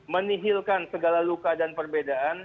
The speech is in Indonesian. menihilkan segala luka dan perbedaan